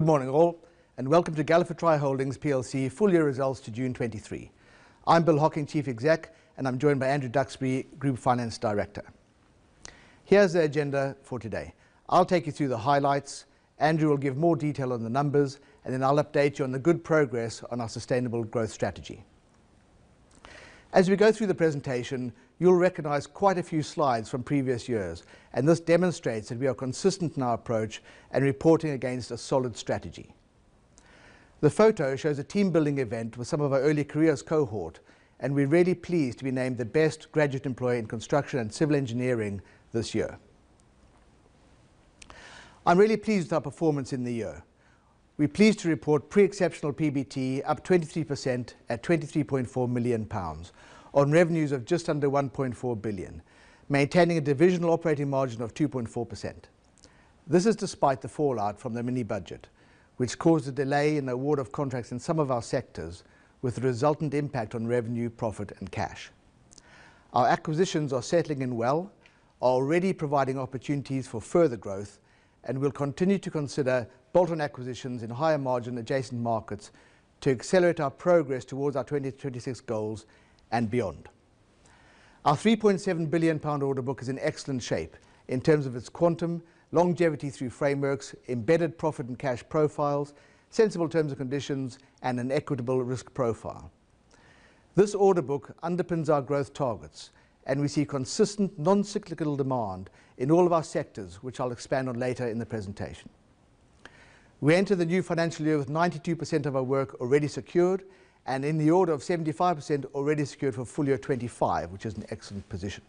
Good morning, all, and welcome to Galliford Try Holdings full-year results to June 2023. I'm Bill Hocking, Chief Exec, and I'm joined by Andrew Duxbury, Group Finance Director. Here's the agenda for today. I'll take you through the highlights, Andrew will give more detail on the numbers, and I'll update you on the good progress on our sustainable growth strategy. As we go through the presentation, you'll recognize quite a few slides from previous years, and this demonstrates that we are consistent in our approach and reporting against a solid strategy. The photo shows a team-building event with some of our early careers cohort, and we're really pleased to be named the Best Graduate Employer in Construction and Civil Engineering this year. I'm really pleased with our performance in the year. We're pleased to report pre-exceptional PBT up 23% at 23.4 million pounds, on revenues of just under 1.4 billion, maintaining a divisional operating margin of 2.4%. This is despite the fallout from the mini budget, which caused a delay in the award of contracts in some of our sectors, with the resultant impact on revenue, profit, and cash. Our acquisitions are settling in well, are already providing opportunities for further growth, and we'll continue to consider bolt-on acquisitions in higher-margin adjacent markets to accelerate our progress towards our 2026 goals and beyond. Our 3.7 billion pound order book is in excellent shape in terms of its quantum, longevity through frameworks, embedded profit and cash profiles, sensible terms and conditions, and an equitable risk profile. This order book underpins our growth targets, and we see consistent, non-cyclical demand in all of our sectors, which I'll expand on later in the presentation. We enter the new financial year with 92% of our work already secured, and in the order of 75% already secured for full year 2025, which is an excellent position.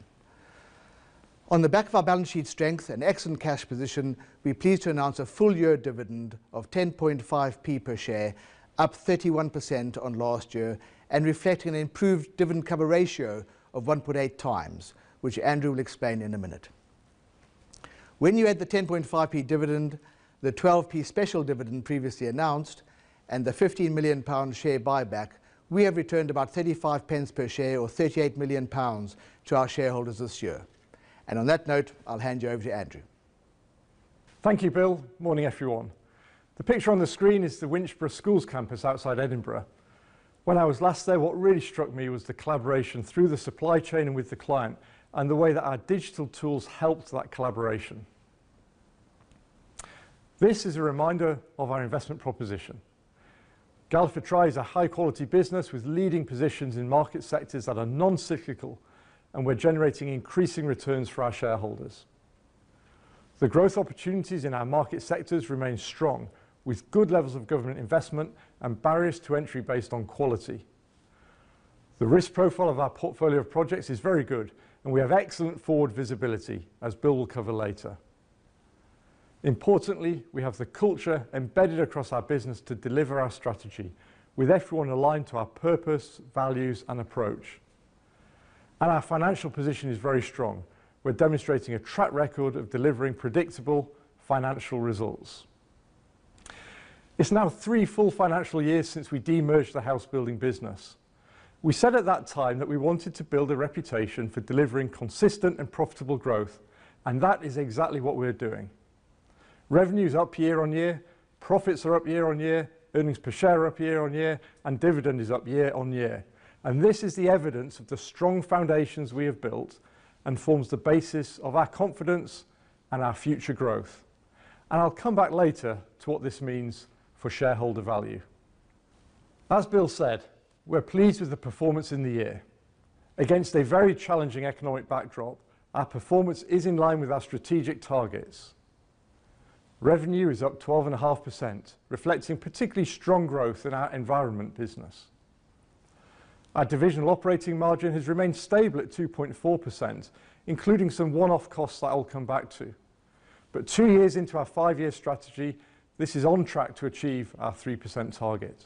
On the back of our balance sheet strength and excellent cash position, we're pleased to announce a full-year dividend of 10.5p per share, up 31% on last year, and reflecting an improved dividend cover ratio of 1.8 times, which Andrew will explain in a minute. When you add the 10.5p dividend, the 12p special dividend previously announced, and the 15 million pound share buyback, we have returned about 35 pence per share, or 38 million pounds to our shareholders this year. On that note, I'll hand you over to Andrew. Thank you, Bill. Morning, everyone. The picture on the screen is the Winchburgh Schools Campus outside Edinburgh. When I was last there, what really struck me was the collaboration through the supply chain and with the client, and the way that our digital tools helped that collaboration. This is a reminder of our investment proposition. Galliford Try is a high-quality business with leading positions in market sectors that are non-cyclical, and we're generating increasing returns for our shareholders. The growth opportunities in our market sectors remain strong, with good levels of government investment and barriers to entry based on quality. The risk profile of our portfolio of projects is very good, and we have excellent forward visibility, as Bill will cover later. Importantly, we have the culture embedded across our business to deliver our strategy, with everyone aligned to our purpose, values, and approach. Our financial position is very strong. We're demonstrating a track record of delivering predictable financial results. It's now three full financial years since we de-merged the housebuilding business. We said at that time that we wanted to build a reputation for delivering consistent and profitable growth, and that is exactly what we're doing. Revenue is up year-on-year, profits are up year-on-year, earnings per share are up year-on-year, and dividend is up year-on-year, and this is the evidence of the strong foundations we have built and forms the basis of our confidence and our future growth. I'll come back later to what this means for shareholder value. As Bill said, we're pleased with the performance in the year. Against a very challenging economic backdrop, our performance is in line with our strategic targets. Revenue is up 12.5%, reflecting particularly strong growth in our environment business. Our divisional operating margin has remained stable at 2.4%, including some one-off costs that I'll come back to. But two years into our five-year strategy, this is on track to achieve our 3% target.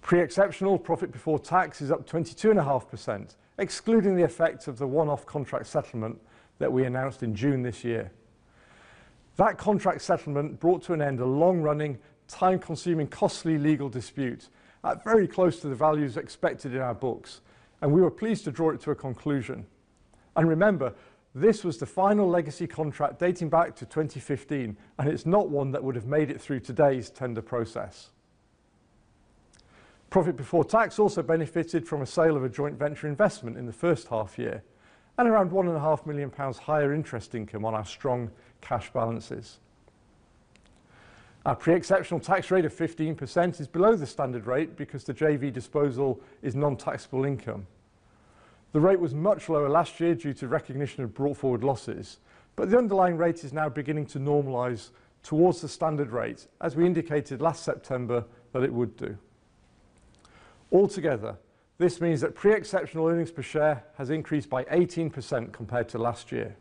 Pre-exceptional profit before tax is up 22.5%, excluding the effect of the one-off contract settlement that we announced in June this year. That contract settlement brought to an end a long-running, time-consuming, costly legal dispute at very close to the values expected in our books, and we were pleased to draw it to a conclusion. And remember, this was the final legacy contract dating back to 2015, and it's not one that would have made it through today's tender process. Profit before tax also benefited from a sale of a joint venture investment in the first half year, and around 1.5 million pounds higher interest income on our strong cash balances. Our pre-exceptional tax rate of 15% is below the standard rate because the JV disposal is non-taxable income. The rate was much lower last year due to recognition of brought forward losses, but the underlying rate is now beginning to normalize towards the standard rate, as we indicated last September that it would do. Altogether, this means that pre-exceptional earnings per share has increased by 18% compared to last year.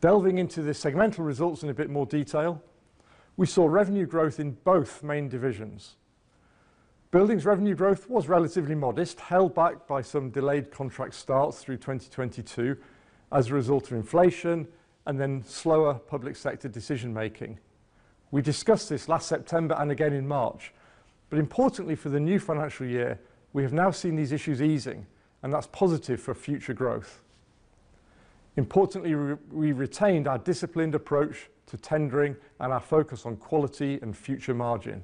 Delving into the segmental results in a bit more detail, we saw revenue growth in both main divisions. Buildings revenue growth was relatively modest, held back by some delayed contract starts through 2022 as a result of inflation and then slower public sector decision making. We discussed this last September and again in March. But importantly for the new financial year, we have now seen these issues easing, and that's positive for future growth. Importantly, we retained our disciplined approach to tendering and our focus on quality and future margin.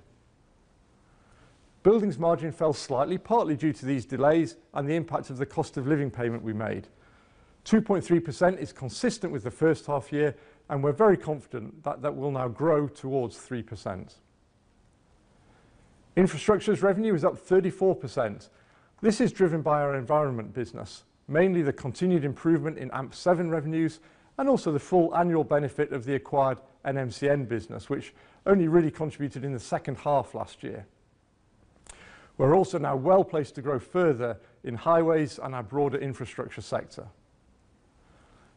Buildings margin fell slightly, partly due to these delays and the impact of the cost of living payment we made. 2.3% is consistent with the first half year, and we're very confident that that will now grow towards 3%. Infrastructure's revenue is up 34%. This is driven by our environment business, mainly the continued improvement in AMP7 revenues, and also the full annual benefit of the acquired NMCN business, which only really contributed in the second half last year. We're also now well-placed to grow further in highways and our broader infrastructure sector.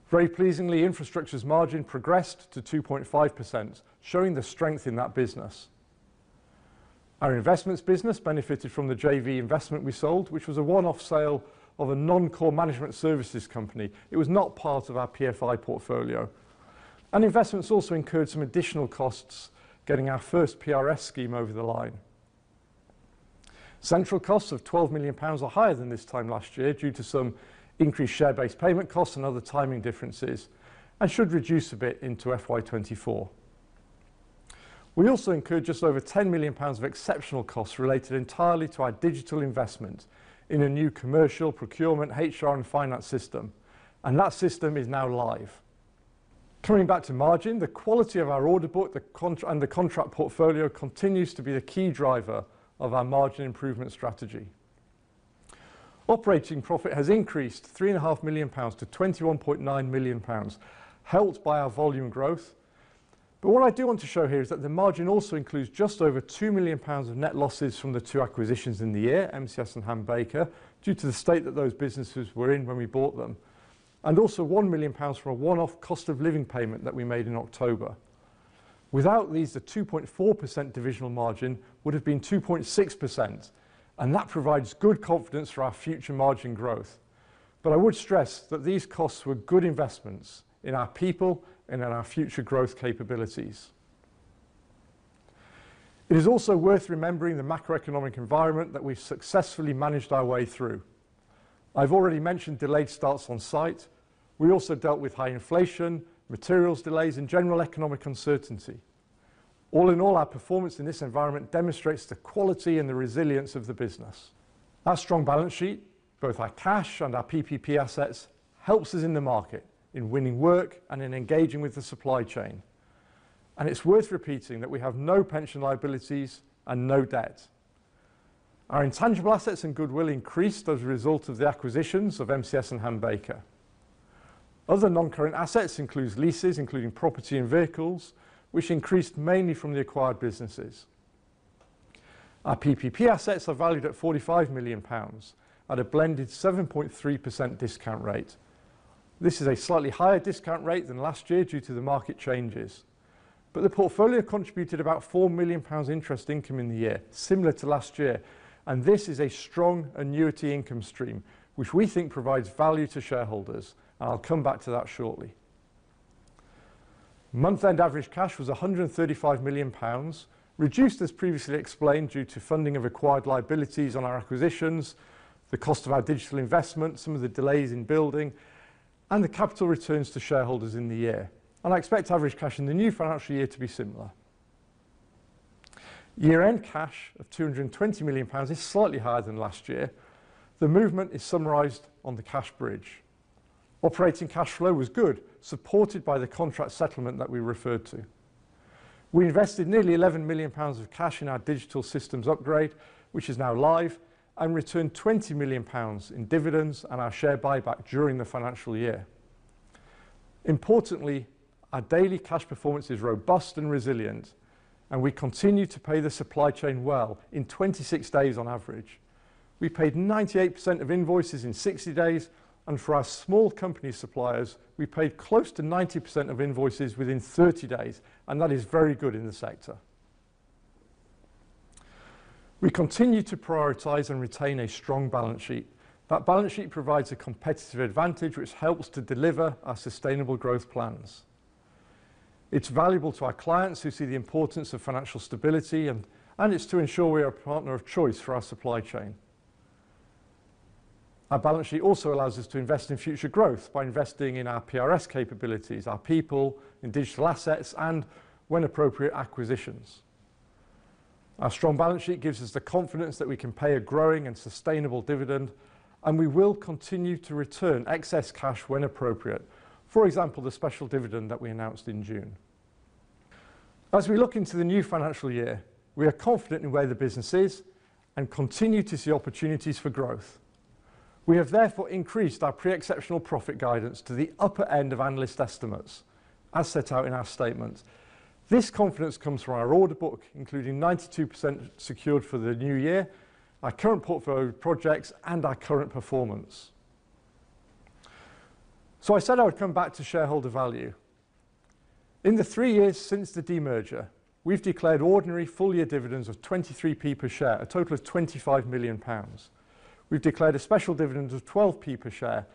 Very pleasingly, infrastructure's margin progressed to 2.5%, showing the strength in that business. Our investments business benefited from the JV investment we sold, which was a one-off sale of a non-core management services company. It was not part of our PFI portfolio. Investments also incurred some additional costs getting our first PRS scheme over the line. Central costs of 12 million pounds are higher than this time last year, due to some increased share-based payment costs and other timing differences, and should reduce a bit into FY 2024. We also incurred just over 10 million pounds of exceptional costs related entirely to our digital investment in a new commercial procurement, HR, and finance system, and that system is now live. Coming back to margin, the quality of our order book and the contract portfolio continues to be the key driver of our margin improvement strategy. Operating profit has increased 3.5 million-21.9 million pounds, helped by our volume growth. But what I do want to show here is that the margin also includes just over 2 million pounds of net losses from the two acquisitions in the year, MCS and Ham Baker, due to the state that those businesses were in when we bought them. And also 1 million pounds for a one-off cost of living payment that we made in October. Without these, the 2.4% divisional margin would have been 2.6%, and that provides good confidence for our future margin growth. I would stress that these costs were good investments in our people and in our future growth capabilities. It is also worth remembering the macroeconomic environment that we've successfully managed our way through. I've already mentioned delayed starts on site. We also dealt with high inflation, materials delays, and general economic uncertainty. All in all, our performance in this environment demonstrates the quality and the resilience of the business. Our strong balance sheet, both our cash and our PPP assets, helps us in the market, in winning work and in engaging with the supply chain. It's worth repeating that we have no pension liabilities and no debt. Our intangible assets and goodwill increased as a result of the acquisitions of MCS and Ham Baker. Other non-current assets includes leases, including property and vehicles, which increased mainly from the acquired businesses. Our PPP assets are valued at 45 million pounds at a blended 7.3% discount rate. This is a slightly higher discount rate than last year due to the market changes. But the portfolio contributed about 4 million pounds interest income in the year, similar to last year, and this is a strong annuity income stream, which we think provides value to shareholders. I'll come back to that shortly. Month-end average cash was 135 million pounds, reduced, as previously explained, due to funding of acquired liabilities on our acquisitions, the cost of our digital investment, some of the delays in building, and the capital returns to shareholders in the year. I expect average cash in the new financial year to be similar. Year-end cash of 220 million pounds is slightly higher than last year. The movement is summarized on the cash bridge. Operating cash flow was good, supported by the contract settlement that we referred to. We invested nearly 11 million pounds of cash in our digital systems upgrade, which is now live, and returned 20 million pounds in dividends and our share buyback during the financial year. Importantly, our daily cash performance is robust and resilient, and we continue to pay the supply chain well, in 26 days on average. We paid 98% of invoices in 60 days, and for our small company suppliers, we paid close to 90% of invoices within 30 days, and that is very good in the sector. We continue to prioritize and retain a strong balance sheet. That balance sheet provides a competitive advantage, which helps to deliver our sustainable growth plans. It's valuable to our clients who see the importance of financial stability, and it's to ensure we are a partner of choice for our supply chain. Our balance sheet also allows us to invest in future growth by investing in our PRS capabilities, our people, in digital assets, and, when appropriate, acquisitions. Our strong balance sheet gives us the confidence that we can pay a growing and sustainable dividend, and we will continue to return excess cash when appropriate. For example, the special dividend that we announced in June. As we look into the new financial year, we are confident in where the business is and continue to see opportunities for growth. We have therefore increased our pre-exceptional profit guidance to the upper end of analyst estimates, as set out in our statement. This confidence comes from our order book, including 92% secured for the new year, our current portfolio of projects, and our current performance. So I said I would come back to shareholder value. In the three years since the demerger, we've declared ordinary full-year dividends of 23p per share, a total of 25 million pounds. We've declared a special dividend of 12p per share,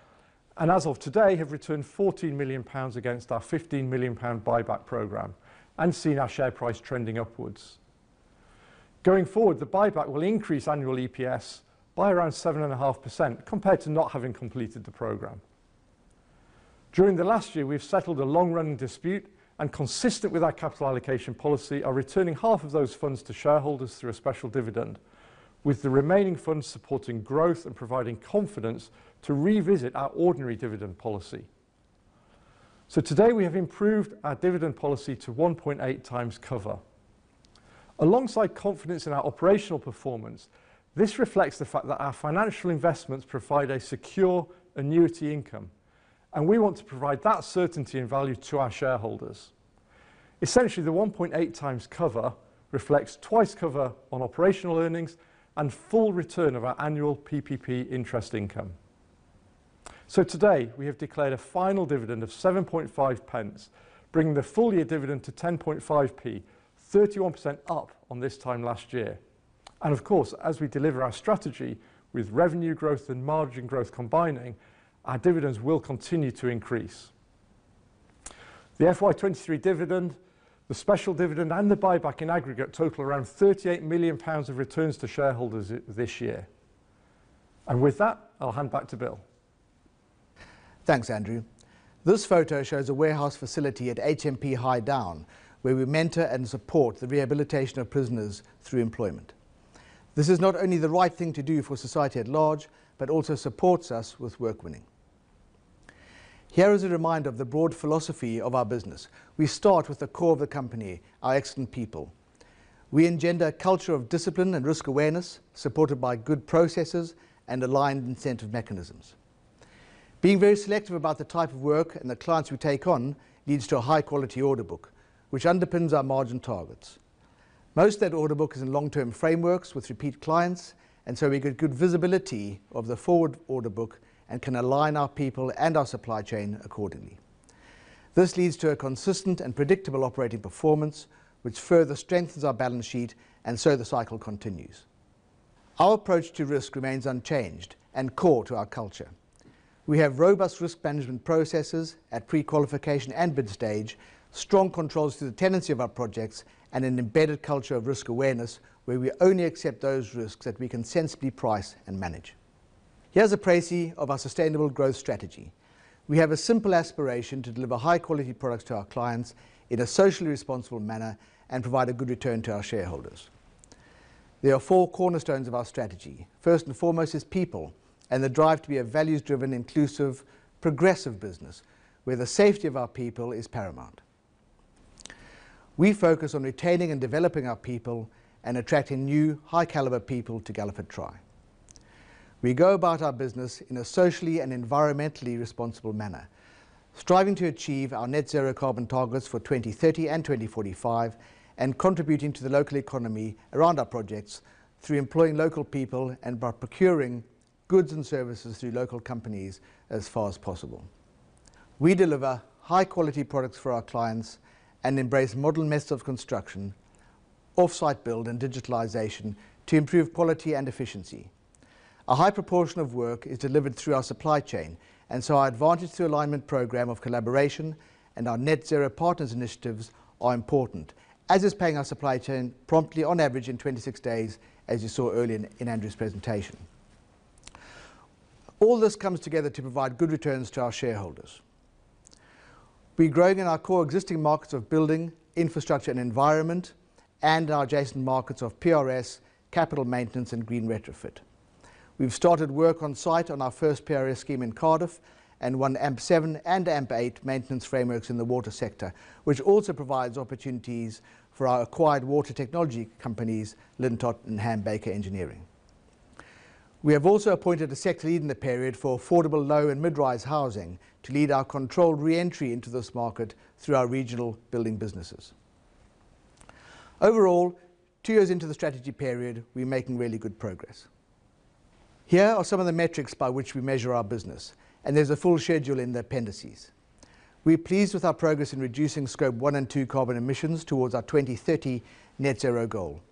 and as of today, have returned 14 million pounds against our 15 million pound buyback program and seen our share price trending upwards. Going forward, the buyback will increase annual EPS by around 7.5% compared to not having completed the program. During the last year, we've settled a long-running dispute and, consistent with our capital allocation policy, are returning half of those funds to shareholders through a special dividend, with the remaining funds supporting growth and providing confidence to revisit our ordinary dividend policy. So today, we have improved our dividend policy to 1.8 times cover. Alongside confidence in our operational performance, this reflects the fact that our financial investments provide a secure annuity income, and we want to provide that certainty and value to our shareholders. Essentially, the 1.8 times cover reflects twice cover on operational earnings and full return of our annual PPP interest income. So today, we have declared a final dividend of 0.075, bringing the full-year dividend to 0.105, 31% up on this time last year. Of course, as we deliver our strategy with revenue growth and margin growth combining, our dividends will continue to increase. The FY 2023 dividend, the special dividend and the buyback in aggregate total around 38 million pounds of returns to shareholders this year. With that, I'll hand back to Bill. Thanks, Andrew. This photo shows a warehouse facility at HMP High Down, where we mentor and support the rehabilitation of prisoners through employment. This is not only the right thing to do for society at large, but also supports us with work winning. Here is a reminder of the broad philosophy of our business. We start with the core of the company, our excellent people. We engender a culture of discipline and risk awareness, supported by good processes and aligned incentive mechanisms. Being very selective about the type of work and the clients we take on leads to a high-quality order book, which underpins our margin targets. Most of that order book is in long-term frameworks with repeat clients, and so we get good visibility of the forward order book and can align our people and our supply chain accordingly. This leads to a consistent and predictable operating performance, which further strengthens our balance sheet, and so the cycle continues. Our approach to risk remains unchanged and core to our culture. We have robust risk management processes at pre-qualification and bid stage, strong controls through the tenancy of our projects, and an embedded culture of risk awareness, where we only accept those risks that we can sensibly price and manage. Here's a précis of our sustainable growth strategy. We have a simple aspiration to deliver high-quality products to our clients in a socially responsible manner and provide a good return to our shareholders. There are four cornerstones of our strategy. First and foremost is people and the drive to be a values-driven, inclusive, progressive business, where the safety of our people is paramount. We focus on retaining and developing our people and attracting new, high-caliber people to Galliford Try. We go about our business in a socially and environmentally responsible manner, striving to achieve our Net Zero carbon targets for 2030 and 2045, and contributing to the local economy around our projects through employing local people and by procuring goods and services through local companies as far as possible. We deliver high-quality products for our clients and embrace modern methods of construction, off-site build and digitalization to improve quality and efficiency. A high proportion of work is delivered through our supply chain, and so our advantage through alignment program of collaboration and our Net Zero partners initiatives are important, as is paying our supply chain promptly on average in 26 days, as you saw earlier in Andrew's presentation. All this comes together to provide good returns to our shareholders. We're growing in our core existing markets of building, infrastructure and environment and our adjacent markets of PRS, capital maintenance and green retrofit. We've started work on site on our first PRS scheme in Cardiff and won AMP7 and AMP8 maintenance frameworks in the water sector, which also provides opportunities for our acquired water technology companies, Lintott and Ham Baker Engineering. We have also appointed a sector lead in the period for affordable, low and mid-rise housing to lead our controlled re-entry into this market through our regional building businesses. Overall, two years into the strategy period, we're making really good progress. Here are some of the metrics by which we measure our business, and there's a full schedule in the appendices. We're pleased with our progress in reducing Scope 1 and 2 carbon emissions towards our 2030 Net Zero goal.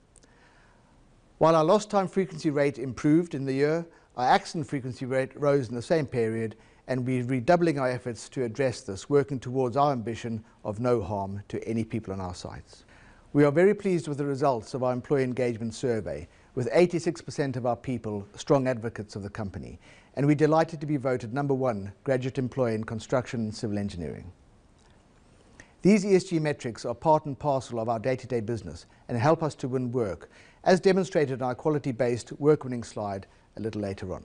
While our lost time frequency rate improved in the year, our accident frequency rate rose in the same period, and we're redoubling our efforts to address this, working towards our ambition of no harm to any people on our sites. We are very pleased with the results of our employee engagement survey, with 86% of our people strong advocates of the company, and we're delighted to be voted number one graduate employer in construction and civil engineering. These ESG metrics are part and parcel of our day-to-day business and help us to win work, as demonstrated in our quality-based work winning slide a little later on.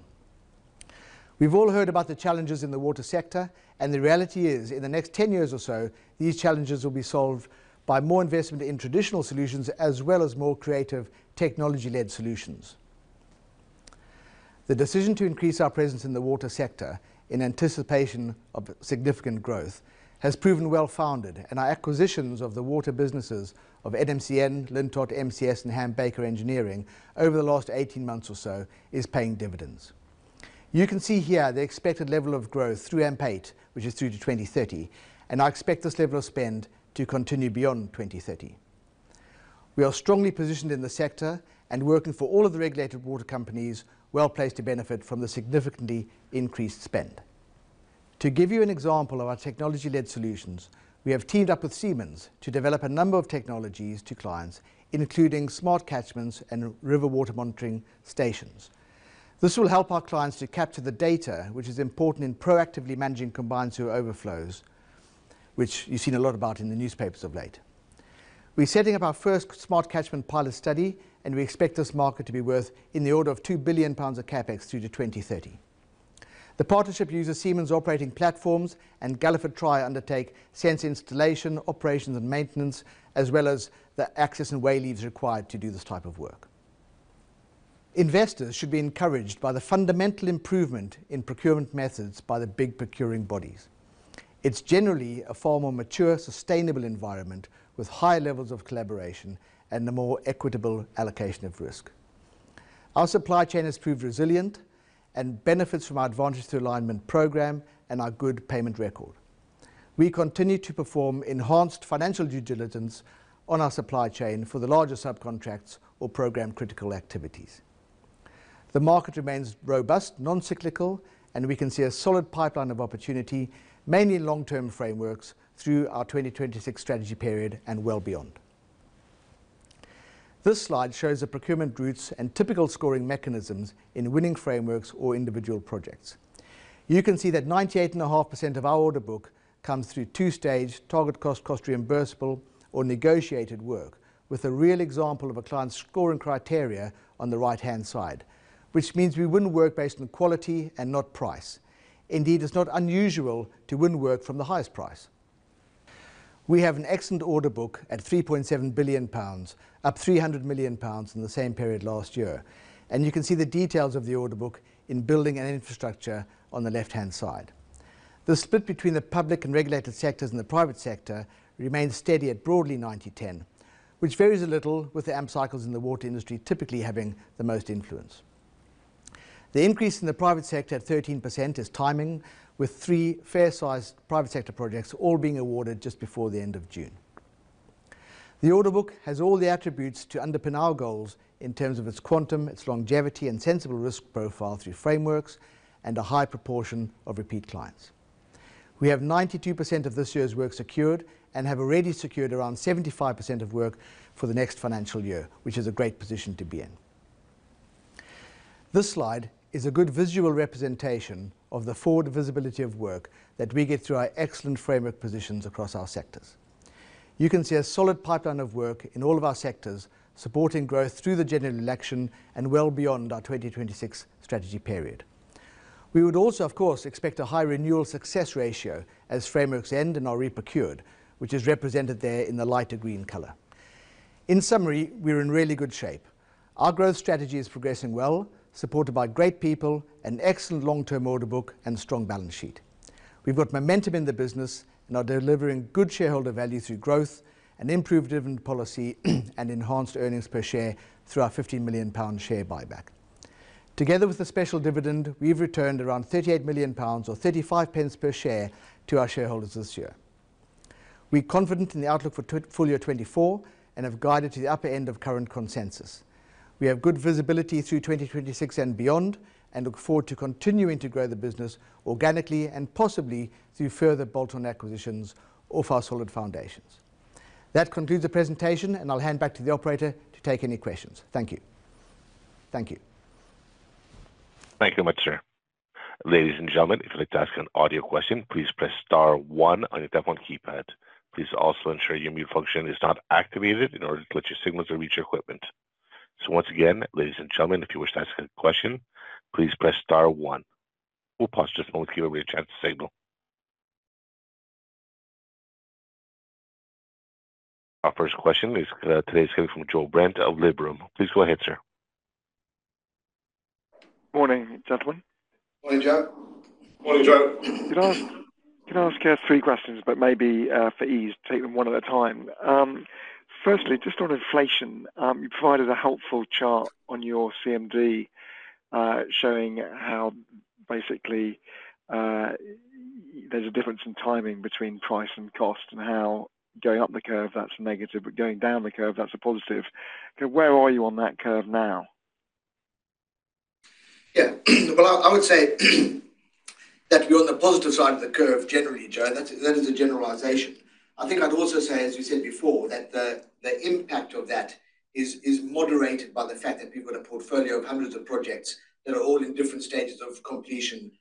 We've all heard about the challenges in the water sector, and the reality is, in the next 10 years or so, these challenges will be solved by more investment in traditional solutions as well as more creative, technology-led solutions. The decision to increase our presence in the water sector in anticipation of significant growth has proven well-founded, and our acquisitions of the water businesses of NMCN, Lintott, MCS, and Ham Baker Engineering over the last 18 months or so is paying dividends. You can see here the expected level of growth through AMP8, which is through to 2030, and I expect this level of spend to continue beyond 2030... We are strongly positioned in the sector and working for all of the regulated water companies well-placed to benefit from the significantly increased spend. To give you an example of our technology-led solutions, we have teamed up with Siemens to develop a number of technologies to clients, including Smart Catchments and river water monitoring stations. This will help our clients to capture the data, which is important in proactively managing combined sewer overflows, which you've seen a lot about in the newspapers of late. We're setting up our first Smart Catchments pilot study, and we expect this market to be worth in the order of 2 billion pounds of CapEx through to 2030. The partnership uses Siemens operating platforms, and Galliford Try undertake sensor installation, operations, and maintenance, as well as the access and wayleaves required to do this type of work. Investors should be encouraged by the fundamental improvement in procurement methods by the big procuring bodies. It's generally a far more mature, sustainable environment, with high levels of collaboration and a more equitable allocation of risk. Our supply chain has proved resilient and benefits from our Advantage Through Alignment program and our good payment record. We continue to perform enhanced financial due diligence on our supply chain for the larger subcontracts or program critical activities. The market remains robust, non-cyclical, and we can see a solid pipeline of opportunity, mainly in long-term frameworks through our 2026 strategy period and well beyond. This slide shows the procurement routes and typical scoring mechanisms in winning frameworks or individual projects. You can see that 98.5% of our order book comes through two-stage target cost, cost reimbursable or negotiated work, with a real example of a client's scoring criteria on the right-hand side, which means we win work based on quality and not price. Indeed, it's not unusual to win work from the highest price. We have an excellent order book at 3.7 billion pounds, up 300 million pounds in the same period last year, and you can see the details of the order book in building and infrastructure on the left-hand side. The split between the public and regulated sectors and the private sector remains steady at broadly 90-10, which varies a little with the AMP cycles in the water industry, typically having the most influence. The increase in the private sector at 13% is timing, with three fair-sized private sector projects all being awarded just before the end of June. The order book has all the attributes to underpin our goals in terms of its quantum, its longevity, and sensible risk profile through frameworks and a high proportion of repeat clients. We have 92% of this year's work secured and have already secured around 75% of work for the next financial year, which is a great position to be in. This slide is a good visual representation of the forward visibility of work that we get through our excellent framework positions across our sectors. You can see a solid pipeline of work in all of our sectors, supporting growth through the general election and well beyond our 2026 strategy period. We would also, of course, expect a high renewal success ratio as frameworks end and are reprocured, which is represented there in the lighter green color. In summary, we're in really good shape. Our growth strategy is progressing well, supported by great people and excellent long-term order book and strong balance sheet. We've got momentum in the business and are delivering good shareholder value through growth and improved dividend policy, and enhanced earnings per share through our 15 million pound share buyback. Together with the special dividend, we've returned around 38 million pounds, or 35 pence per share to our shareholders this year. We're confident in the outlook for full year 2024 and have guided to the upper end of current consensus. We have good visibility through 2026 and beyond and look forward to continuing to grow the business organically and possibly through further bolt-on acquisitions off our solid foundations. That concludes the presentation, and I'll hand back to the operator to take any questions. Thank you. Thank you. Thank you much, sir. Ladies and gentlemen, if you'd like to ask an audio question, please press star one on your telephone keypad. Please also ensure your mute function is not activated in order to let your signals to reach your equipment. So once again, ladies and gentlemen, if you wish to ask a question, please press star one. We'll pause just a moment to give everybody a chance to signal. Our first question is today's coming from Joe Brent of Liberum. Please go ahead, sir. Morning, gentlemen. Morning, Joe. Morning, Joe. Can I, can I ask you three questions, but maybe, for ease, take them one at a time. Firstly, just on inflation, you provided a helpful chart on your CMD, showing how basically, there's a difference in timing between price and cost, and how going up the curve, that's negative, but going down the curve, that's a positive. Okay, where are you on that curve now? Yeah. Well, I would say that we're on the positive side of the curve generally, Joe. That is a generalization. I think I'd also say, as we said before, that the impact of that is moderated by the fact that we've got a portfolio of hundreds of projects that are all in different stages of completion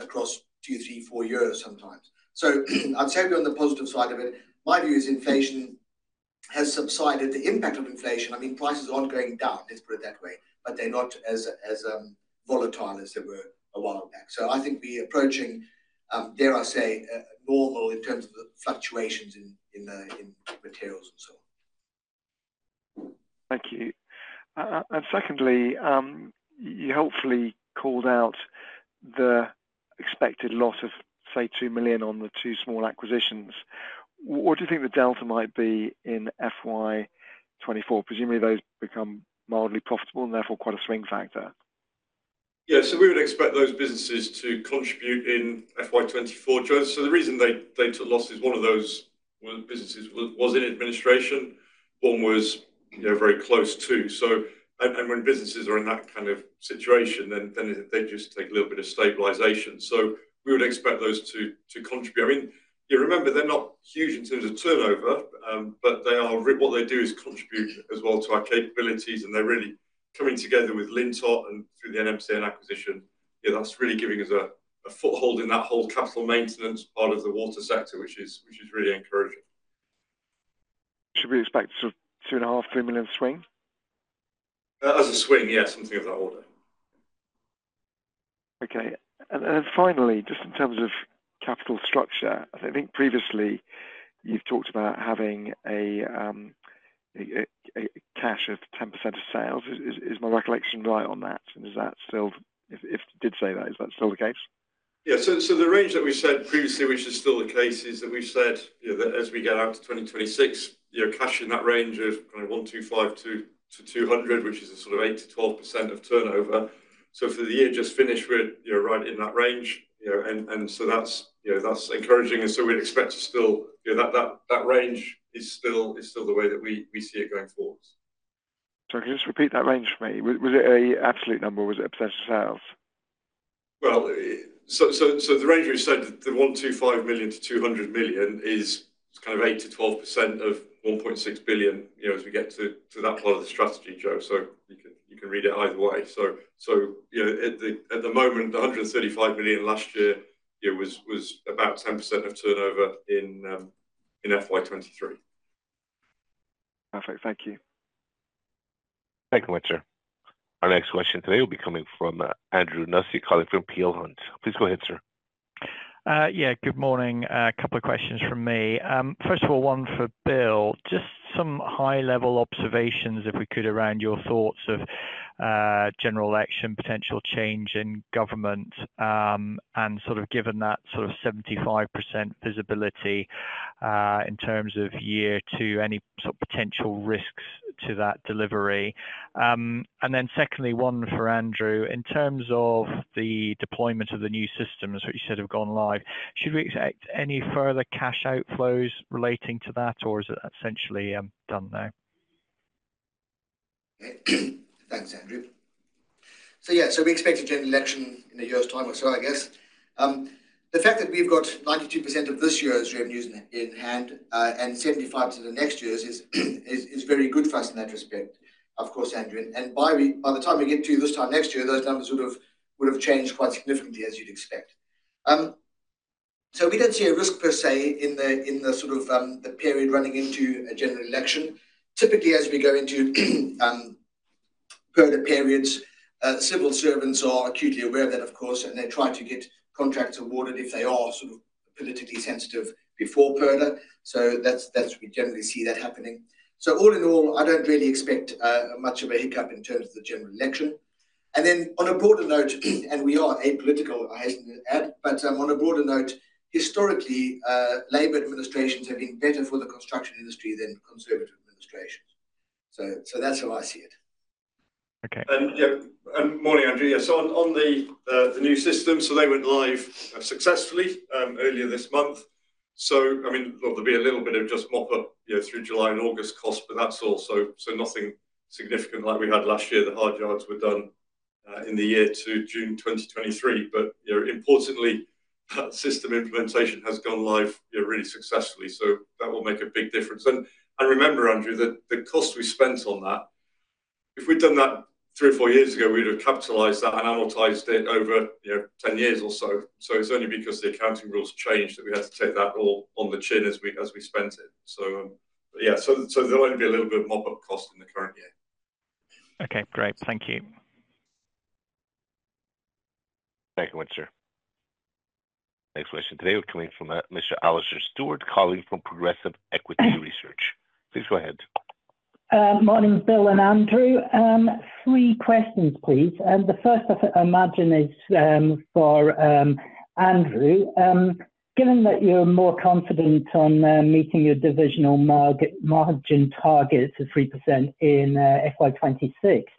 across two, three, four years sometimes. So I'd say we're on the positive side of it. My view is inflation has subsided. The impact of inflation, I mean, prices aren't going down, let's put it that way, but they're not as volatile as they were a while back. So I think we're approaching, dare I say, normal in terms of the fluctuations in materials and so on. Thank you. And secondly, you hopefully called out the expected loss of, say, 2 million on the two small acquisitions. What do you think the delta might be in FY 2024? Presumably, those become mildly profitable and therefore quite a swing factor. ... Yeah, so we would expect those businesses to contribute in FY 2024, Joe. So the reason they took a loss is one of those businesses was in administration, one was, you know, very close, too. So, and when businesses are in that kind of situation, then they just take a little bit of stabilization. So we would expect those two to contribute. I mean, you remember, they're not huge in terms of turnover, but they are, what they do is contribute as well to our capabilities, and they're really coming together with Lintott and through the NMCN acquisition. Yeah, that's really giving us a foothold in that whole capital maintenance part of the water sector, which is really encouraging. Should we expect sort of GBP 2.5 million- 3 million swing? As a swing, yes, something of that order. Okay. And then, finally, just in terms of capital structure, I think previously you've talked about having a cash of 10% of sales. Is my recollection right on that? And is that still... If you did say that, is that still the case? Yeah. So the range that we said previously, which is still the case, is that we've said, you know, that as we get out to 2026, your cash in that range of kind of 125-200, which is a sort of 8%-12% of turnover. So for the year just finished with, you're right in that range, you know, and so that's, you know, that's encouraging, and so we'd expect to still, you know, that range is still the way that we see it going forwards. So can you just repeat that range for me? Was it an absolute number, or was it a percent of sales? Well, so the range we said, the 125 million-200 million is kind of 8%-12% of 1.6 billion, you know, as we get to that part of the strategy, Joe. So you can read it either way. So, you know, at the moment, the 135 million last year, it was about 10% of turnover in FY 2023. Perfect. Thank you. Thank you, operator. Our next question today will be coming from Andrew Nussey, calling from Peel Hunt. Please go ahead, sir. Yeah, good morning. A couple of questions from me. First of all, one for Bill. Just some high-level observations, if we could, around your thoughts of general election, potential change in government, and sort of given that sort of 75% visibility, in terms of year to any sort of potential risks to that delivery. And then secondly, one for Andrew. In terms of the deployment of the new systems, which you said have gone live, should we expect any further cash outflows relating to that, or is it essentially done now? Thanks, Andrew. So, yeah, so we expect a general election in a year's time or so, I guess. The fact that we've got 92% of this year's revenues in hand, and 75% of the next year's is very good for us in that respect, of course, Andrew. And by the time we get to this time next year, those numbers would have changed quite significantly, as you'd expect. So we don't see a risk per se in the sort of the period running into a general election. Typically, as we go into Purdah periods, civil servants are acutely aware of that, of course, and they try to get contracts awarded if they are sort of politically sensitive before Purdah. So that's what we generally see happening. All in all, I don't really expect much of a hiccup in terms of the general election. And then on a broader note, and we are apolitical, I hasten to add, but on a broader note, historically, Labour administrations have been better for the construction industry than Conservative administrations. So, so that's how I see it. Okay. Good morning, Andrew. Yeah, so on the new system, so they went live successfully earlier this month. So, I mean, there'll be a little bit of just mop up, you know, through July and August cost, but that's all. So nothing significant like we had last year. The hard yards were done in the year to June 2023, but, you know, importantly, that system implementation has gone live, you know, really successfully, so that will make a big difference. And remember, Andrew, that the cost we spent on that, if we'd done that three or four years ago, we'd have capitalized that and amortized it over, you know, 10 years or so. So it's only because the accounting rules changed that we had to take that all on the chin as we spent it. So, yeah, there'll only be a little bit of mop-up cost in the current year. Okay, great. Thank you. Thank you, Operator. Next question today will be coming from Mr. Alastair Stewart, calling from Progressive Equity Research. Please go ahead. Morning, Bill and Andrew. Three questions, please. The first I imagine is for Andrew. Given that you're more confident on meeting your divisional margin targets of 3% in FY 2026,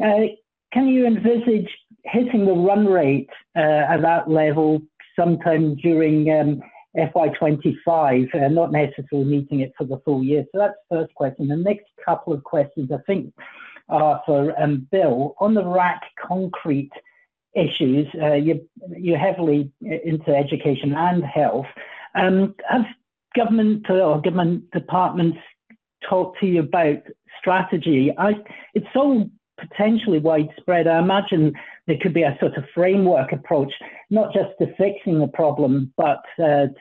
can you envisage hitting the run rate at that level sometime during FY 2025, not necessarily meeting it for the full year? So that's the first question. The next couple of questions, I think, are for Bill. On the RAAC concrete issues, you're heavily into education and health, as government or government departments talk to you about strategy, I... It's so potentially widespread. I imagine there could be a sort of framework approach, not just to fixing the problem, but to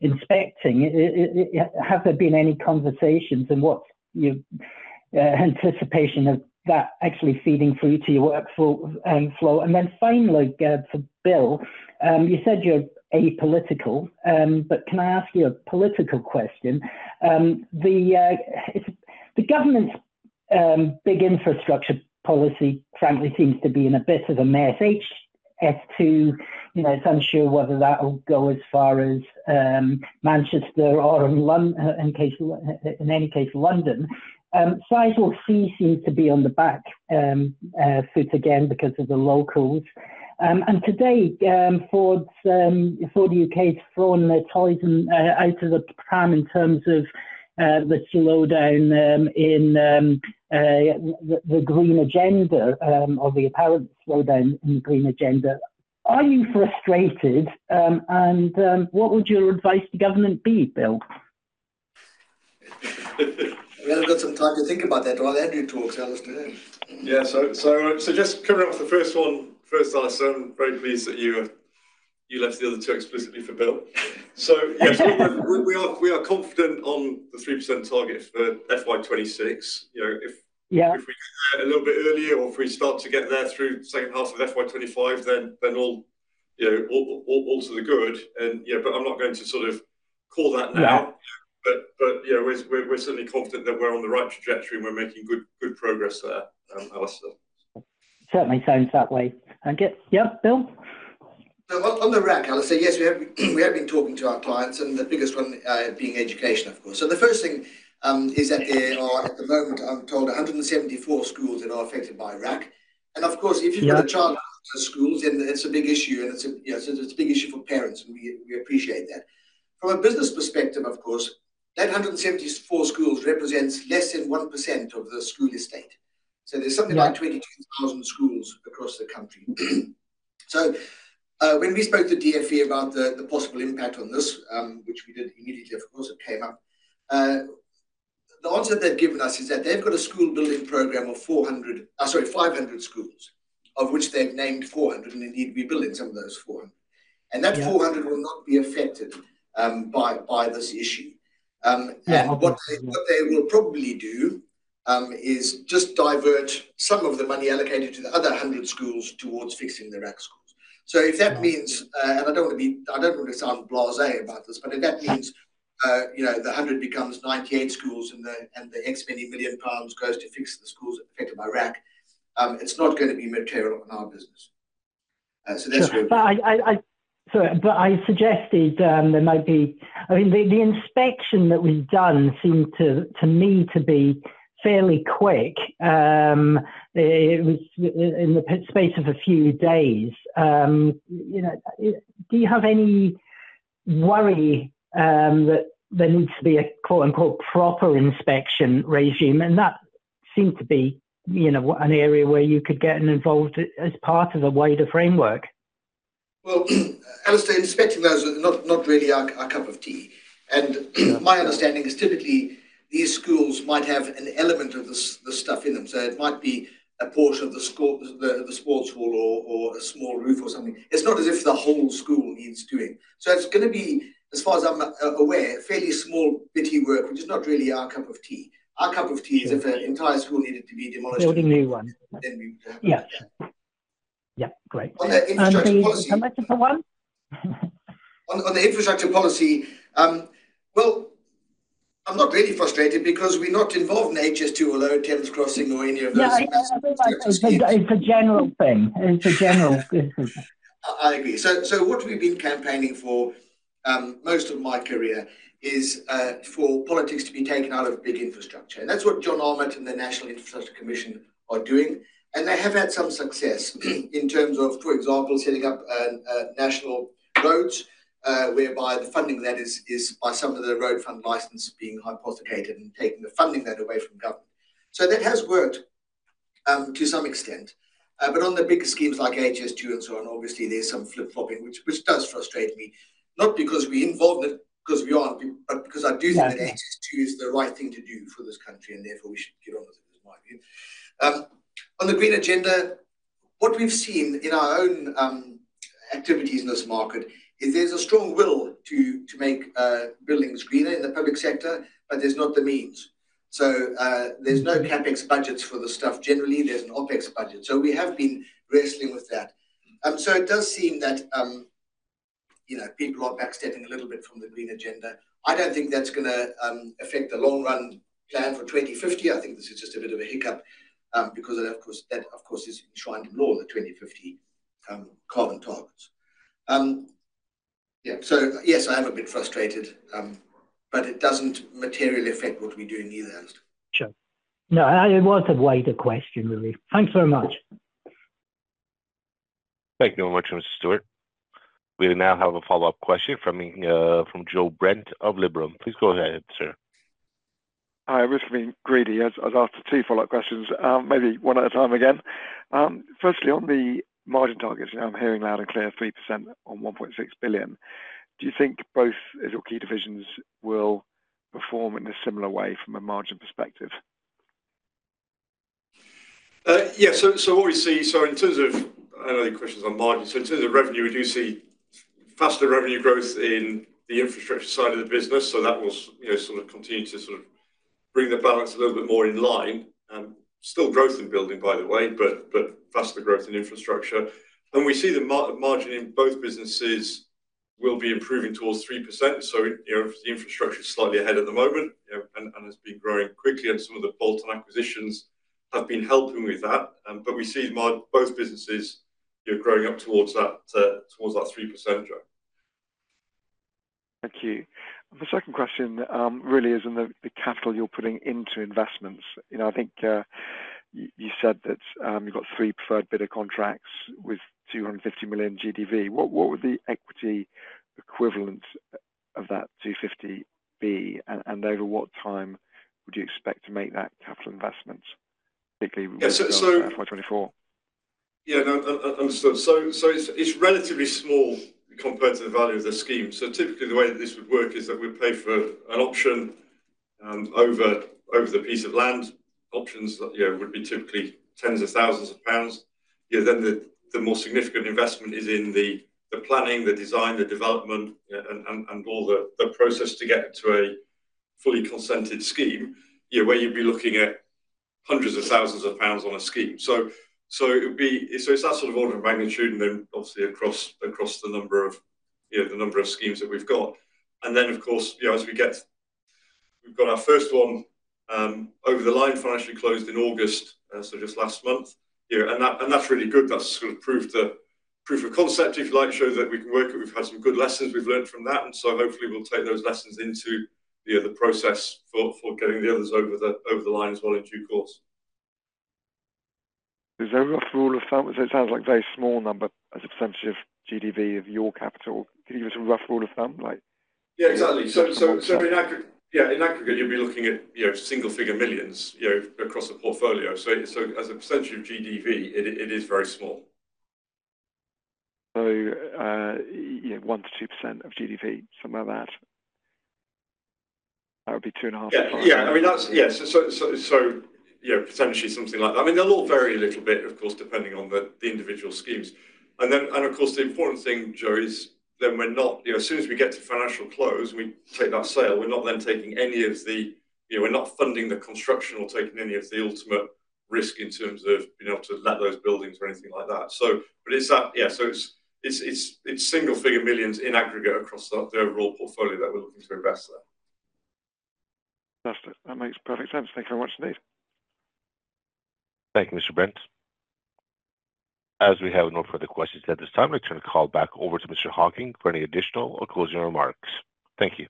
inspecting. Has there been any conversations, and what's your anticipation of that actually feeding through to your workflow, flow? And then finally, for Bill, you said you're apolitical, but can I ask you a political question? The government's big infrastructure policy frankly seems to be in a bit of a mess HS2, you know, it's unsure whether that will go as far as Manchester or in London, in any case, London. Sizewell C seems to be on the back foot again because of the locals. And today, Ford UK's thrown the toys out of the pram in terms of the slowdown in the green agenda, or the apparent slowdown in the green agenda. Are you frustrated? What would your advice to government be, Bill? We haven't got some time to think about that while Andrew talks, Alistair. Yeah, so just kicking off the first one. First, Alistair, I'm very pleased that you left the other two explicitly for Bill. So yes, we are confident on the 3% target for FY 2026. You know, if- Yeah. If we get a little bit earlier or if we start to get there through the second half of FY 2025, then, you know, all, all, all to the good and, you know, but I'm not going to sort of call that now. Yeah. You know, we're certainly confident that we're on the right trajectory and we're making good progress there, Alistair. Certainly sounds that way. Thank you. Yeah, Bill? So on the RAAC, Alistair, yes, we have been talking to our clients, and the biggest one being education, of course. So the first thing is that there are, at the moment, I'm told, 174 schools that are affected by RAAC. And of course- Yeah... if you've got a child at the schools, then it's a big issue, and it's a, you know, it's a big issue for parents, and we, we appreciate that. From a business perspective, of course, that 174 schools represents less than 1% of the school estate. Yeah. So there's something like 22,000 schools across the country. So, when we spoke to DfE about the possible impact on this, which we did immediately, of course, it came up. The answer they've given us is that they've got a school building program of 400, sorry, 500 schools, of which they've named 400, and they need to be building some of those 400. Yeah. That 400 will not be affected by this issue. Yeah. What they, what they will probably do is just divert some of the money allocated to the other 100 schools towards fixing the RAAC schools. Yeah. So if that means, and I don't want to sound blasé about this, but if that means, you know, 100 becomes 98 schools, and the X many million pounds goes to fix the schools affected by RAAC, it's not going to be material in our business. So that's where- I suggested there might be—I mean, the inspection that was done seemed to me to be fairly quick. It was in the space of a few days. You know, do you have any worry that there needs to be a quote, unquote, "proper inspection regime"? That seemed to be an area where you could get involved as part of a wider framework. Well, Alistair, inspecting those are not really our cup of tea. And my understanding is typically these schools might have an element of this stuff in them. So it might be a portion of the school, the sports hall or a small roof or something. It's not as if the whole school needs doing. So it's gonna be, as far as I'm aware, fairly small, bitty work, which is not really our cup of tea. Our cup of tea is if an entire school needed to be demolished- Building a new one. Then we would- Yeah. Yeah, great. On the infrastructure policy- Thank you so much for one. On the infrastructure policy, well, I'm not really frustrated because we're not involved in HS2 or Lower Thames Crossing or any of those. Yeah, it's a, it's a general thing. It's a general... I agree. So what we've been campaigning for most of my career is for politics to be taken out of big infrastructure. And that's what John Armitt and the National Infrastructure Commission are doing, and they have had some success, in terms of, for example, setting up national roads, whereby the funding that is by some of the road fund license being hypothecated and taking the funding away from government. So that has worked to some extent. But on the bigger schemes like HS2 and so on, obviously there's some flip-flopping, which does frustrate me, not because we're involved in it, 'cause we aren't, but because I do think- Yeah... HS2 is the right thing to do for this country, and therefore we should get on with it, is my view. On the green agenda, what we've seen in our own activities in this market is there's a strong will to make buildings greener in the public sector, but there's not the means. So, there's no CapEx budgets for this stuff. Generally, there's an OpEx budget, so we have been wrestling with that. So it does seem that, you know, people are backstepping a little bit from the green agenda. I don't think that's gonna affect the long-run plan for 2050. I think this is just a bit of a hiccup, because that, of course, is enshrined in law, the 2050 carbon targets. Yeah, so yes, I am a bit frustrated, but it doesn't materially affect what we do in either end. Sure. No, and it was a wider question, really. Thanks so much. Thank you very much, Mr. Stewart. We now have a follow-up question from Joe Brent of Liberum. Please go ahead, sir. Hi, I'm just being greedy, as I've asked two follow-up questions, maybe one at a time again. Firstly, on the margin targets, I'm hearing loud and clear, 3% on 1.6 billion. Do you think both of your key divisions will perform in a similar way from a margin perspective? Yeah, so what we see, in terms of... I know the question is on margin. In terms of revenue, we do see faster revenue growth in the infrastructure side of the business, so that will, you know, sort of continue to sort of bring the balance a little bit more in line. Still growth in building, by the way, but faster growth in infrastructure. We see the margin in both businesses will be improving towards 3%. You know, the infrastructure is slightly ahead at the moment, yeah, and has been growing quickly, and some of the bolt-on acquisitions have been helping with that. We see both businesses, you know, growing up towards that 3%, Joe. Thank you. The second question really is in the capital you're putting into investments. You know, I think you said that you've got three preferred bidder contracts with 250 million GDV. What would the equity equivalent of that 250p, and over what time would you expect to make that capital investment, particularly- Yeah, so, By 2024? Yeah. No, understood. So it's relatively small compared to the value of the scheme. So typically, the way that this would work is that we pay for an option over the piece of land. Options that, you know, would be typically tens of thousands of GBP. Yeah, then the more significant investment is in the planning, the design, the development, and all the process to get to a fully consented scheme. Yeah, where you'd be looking at hundreds of thousands of GBP on a scheme. So it would be... So it's that sort of order of magnitude, and then obviously, across the number of, you know, the number of schemes that we've got. And then, of course, you know, as we get—we've got our first one over the line, financially closed in August, so just last month. Yeah, and that, and that's really good. That's sort of proved the proof of concept, if you like, show that we can work it. We've had some good lessons we've learned from that, and so hopefully we'll take those lessons into, you know, the process for getting the others over the line as well in due course. Is there a rough rule of thumb? So it sounds like a very small number as a percentage of GDV of your capital. Can you give us a rough rule of thumb, like? Yeah, exactly. In aggregate, yeah, in aggregate, you'll be looking at, you know, single-figure millions, you know, across a portfolio. As a percentage of GDV, it is very small. So, you know, 1%-2% of GDV, something like that? That would be 2.5- Yeah. Yeah, I mean, that's... Yes. So, you know, potentially something like that. I mean, they'll all vary a little bit, of course, depending on the individual schemes. And then, of course, the important thing, Joe, is that we're not, you know, as soon as we get to financial close, we take that sale. We're not then taking any of the, you know, we're not funding the construction or taking any of the ultimate risk in terms of being able to let those buildings or anything like that. So, but it's that, yeah, so it's single figure millions in aggregate across the overall portfolio that we're looking to invest there. Got it. That makes perfect sense. Thank you very much, indeed. Thank you, Mr. Brent. As we have no further questions at this time, I return call back over to Mr. Hocking for any additional or closing remarks. Thank you.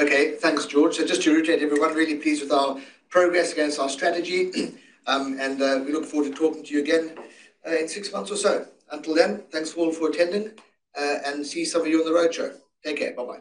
Okay, thanks, George. So just to reiterate, everyone, really pleased with our progress against our strategy, and we look forward to talking to you again in six months or so. Until then, thanks all for attending, and see some of you on the roadshow. Take care. Bye-bye.